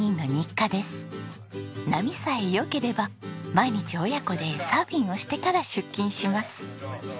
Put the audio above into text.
波さえ良ければ毎日親子でサーフィンをしてから出勤します。